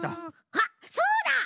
あっそうだ！